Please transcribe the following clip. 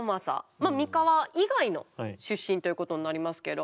まあ三河以外の出身ということになりますけれど。